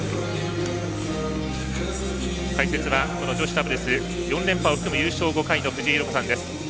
解説は女子ダブルス４連覇を含む優勝５回の藤井寛子さんです。